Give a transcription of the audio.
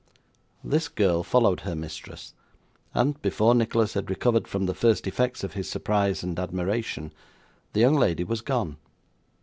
This girl followed her mistress; and, before Nicholas had recovered from the first effects of his surprise and admiration, the young lady was gone.